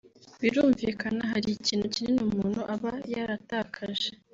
Birumvikana hari ikintu kinini umuntu aba yaratakaje